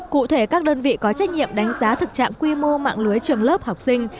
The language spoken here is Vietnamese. cụ thể các đơn vị có trách nhiệm đánh giá thực trạng quy mô mạng lưới trường lớp học sinh